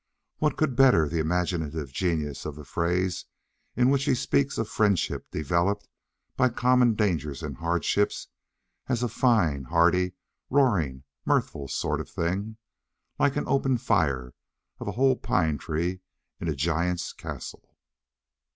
What could better the imaginative genius of the phrase in which he speaks of friendship developed by common dangers and hardships as "a fine, hearty, roaring, mirthful sort of thing, like an open fire of whole pine trees in a giant's castle?"